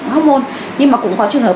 hormôn nhưng mà cũng có trường hợp